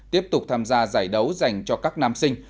tiếp tục tham gia giải đấu dành cho các nam sinh